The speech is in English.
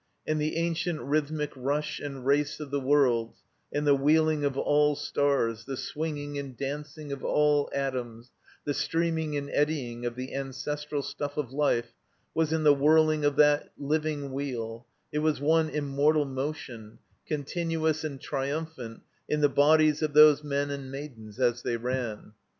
And the ancient rhjrthmic rush and race of the worlds, and the wheeling of all stars, the swinging and dancing of all atoms, the streaming and eddying of the ancestral stuff of lif^ was in the whirling of that living Wheel; it was one immortal motion, continuous and tritunphant in the bodies of those men and maidens as they ran.